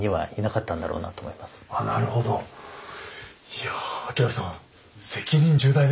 いや明さん責任重大ですね。